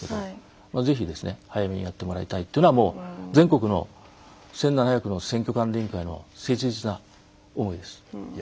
ぜひ早めにやってもらいたいというのは全国の１，７００の選挙管理委員会の切実な思いです。